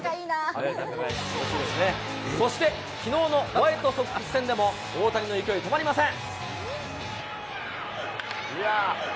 そして、きのうのホワイトソックス戦でも、大谷の勢い、止まりません。